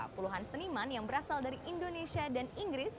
puluhan seniman yang berasal dari indonesia dan inggris